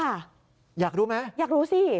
อยากรู้ไหมอยากรู้สิอยากรู้สิ